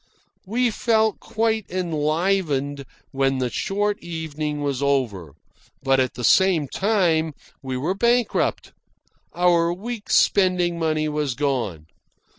We felt quite enlivened when the short evening was over; but at the same time we were bankrupt. Our week's spending money was gone.